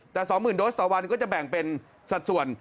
แต่๒๐๐๐โดสต่อวันก็จะแบ่งเป็นสัดส่วน